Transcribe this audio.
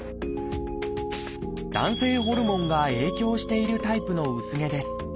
男性ホルモンが影響しているタイプの薄毛です。